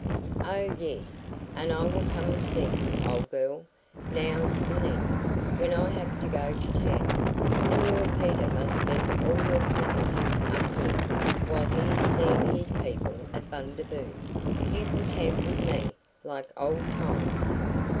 Oh, yes, and I will come and see you, old girl, nows and thens, when I have to go to town. And you and Peter must spend all your Christmases up here. While he is seeing his people at Bundaboo, you can camp with me, like old times."